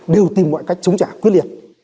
đều tìm mọi cách chống trả quyết liệt